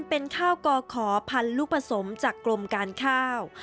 เป็นข้าวก่อขอพันลูกผสมจากกรมการข้าว